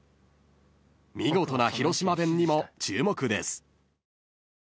［見事な広島弁にも注目です］